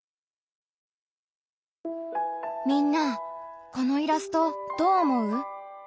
みんなこのイラストどう思う？